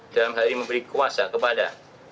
dan hari ini memberi kuasa kepada